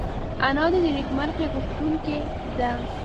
انا د نېکمرغۍ غوښتونکې ده